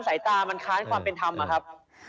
สายตามันค้านความเป็นธรรมนะครับ